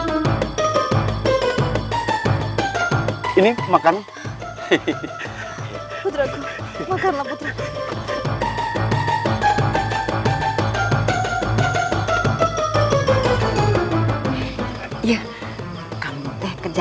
masih kalian yang nyuruh malik maliknya